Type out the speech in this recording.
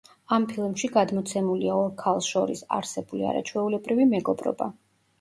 ამ ფილმში გადმოცემულია ორ ქალს შორის არსებული არაჩვეულებრივი მეგობრობა.